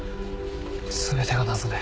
全てが謎で。